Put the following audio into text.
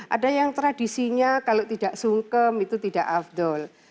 ada yang tradisinya kalau tidak sungkem itu tidak afdol